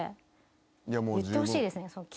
言ってほしいですね。